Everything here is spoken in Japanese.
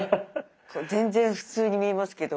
全然普通に見えますけど。